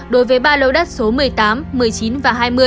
đối với ba lô đất số một mươi tám một mươi chín và hai mươi